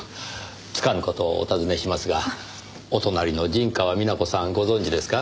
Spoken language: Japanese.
つかぬ事をお尋ねしますがお隣の陣川美奈子さんご存じですか？